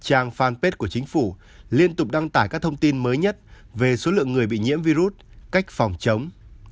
trang fanpage của chính phủ liên tục đăng tải các thông tin mới nhất về số lượng người bị nhiễm virus cách phòng chống